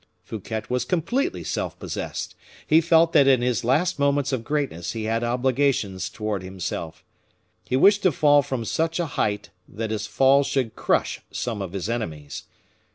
Fouquet was completely self possessed; he felt that in his last moments of greatness he had obligations towards himself. He wished to fall from such a height that his fall should crush some of his enemies.